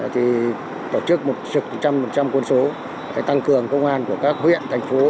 tổ chức một trực trăm quân số tăng cường công an của các huyện thành phố